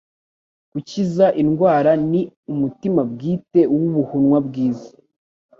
Gukiza indwara ni umutima bwite w'Ubuhunwa bwiza;